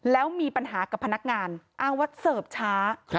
แล้วมีปัญหากับพนักงานอ้างว่าเสิร์ฟช้า